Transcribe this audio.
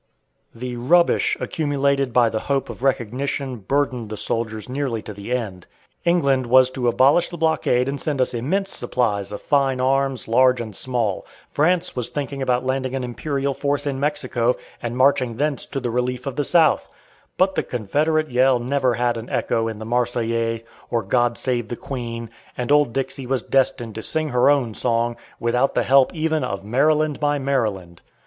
The rubbish accumulated by the hope of recognition burdened the soldiers nearly to the end. England was to abolish the blockade and send us immense supplies of fine arms, large and small. France was thinking about landing an imperial force in Mexico, and marching thence to the relief of the South. But the "Confederate yell" never had an echo in the "Marseillaise," or "God save the Queen;" and Old Dixie was destined to sing her own song, without the help even of "Maryland, my Maryland."